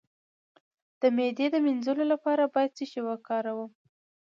د معدې د مینځلو لپاره باید څه شی وکاروم؟